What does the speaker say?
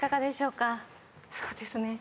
そうですね